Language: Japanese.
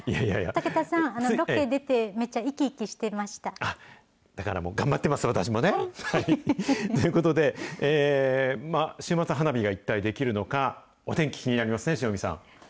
武田さん、ロケ出て、めっちだからもう、頑張ってますよ、私もね。ということで、週末、花火が一体できるのか、お天気、気になりますね、塩見さん。